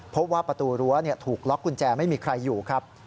พบว่าประตูรั้วถูกล็อกกุญแจไม่มีใครอยู่ครับ